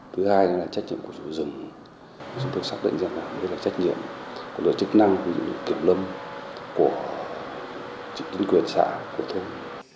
thứ hai là trách nhiệm của giữ rừng giữ được xác định ra là trách nhiệm của lực lượng kiểm lâm của chính quyền xã của thông